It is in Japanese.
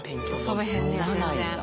遊べへんねや全然。